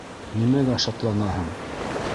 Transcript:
Нимәгә шатланаһың?